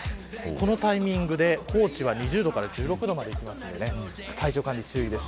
このタイミングで高知は２０度から１６度までいきますので体調管理に注意です。